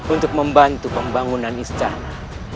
untuk membantu pembangunan istana